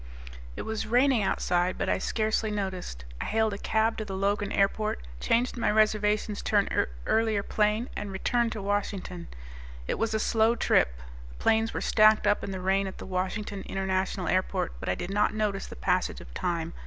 It was raining outside, but I scarcely noticed. I hailed a cab to the Logan Airport, changed my reservations to an earlier plane, and returned to Washington. It was a slow trip. The planes were stacked up in the rain at the Washington International Airport, but I did not notice the passage of time.